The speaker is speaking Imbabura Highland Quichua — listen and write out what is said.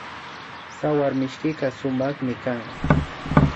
Tsawarmishkika sumakmi kan